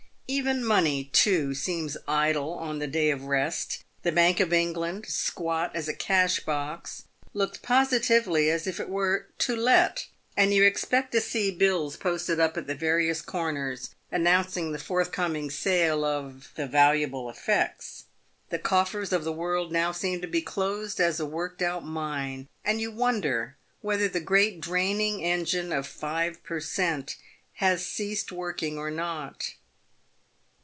Even money, too, seems idle on the day of rest. The Bank of England, squat as a cash box, looks positively as if it were " to let," and you expect to see bills posted up at the various corners announc ing the forthcoming sale of " the valuable effects." The coffers of the world now seem to be closed as a worked out mine, and you wonder whether the great draining engine of five per cent, has ceased work ing or not.